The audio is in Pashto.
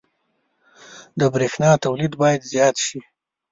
• د برېښنا تولید باید زیات شي.